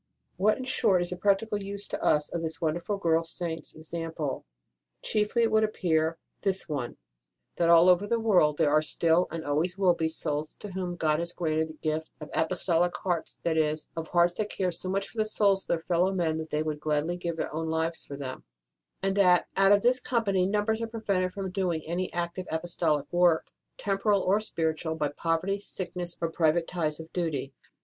What, in short, is the practical use to us of this wonderful girl Saint s example? Chiefly, it would appear, this one: that all over the world there are still, and always will be, souls J 9 ST. ROSE OF LIMA to whom God has granted the gift of apostolic hearts that is, of hearts that care so much for the souls of their fellow men that they would gladly give their own lives for them; and that, out of this company, numbers are prevented from doing any active apostolic work, temporal or spiritual, by poverty, sickness, or private ties of duty.